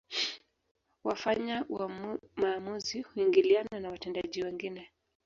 Wafanya maamuzi huingiliana na watendaji wengine